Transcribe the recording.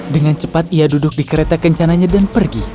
dengan cepat ia duduk di kereta kencananya dan pergi